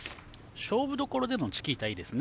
勝負どころでチキータいいですね。